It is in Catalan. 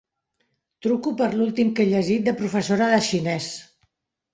Truco per l'últim que he llegit de professora de xinès.